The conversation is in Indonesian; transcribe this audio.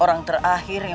aku tidak akan harus suruhmu